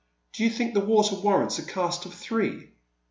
Do you think the water warrants a cast of three?